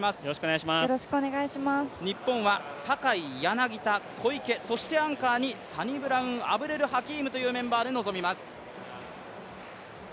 日本は坂井、柳田、小池、そしてアンカーにサニブラウン・アブデル・ハキームというメンバーで臨みます。